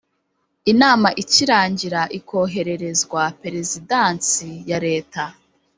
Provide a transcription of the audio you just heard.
inama ikirangira ikohererezwa Perezidansi ya leta